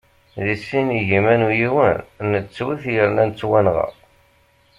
Di sin igiman u yiwen nettwet yerna nettwanɣa.